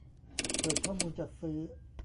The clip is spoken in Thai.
เปิดข้อมูลจัดซื้อ